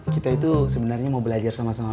kita itu sebenarnya mau belajar sama sama